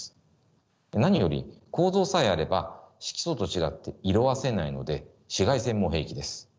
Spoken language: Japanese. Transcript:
何より構造さえあれば色素と違って色あせないので紫外線も平気です。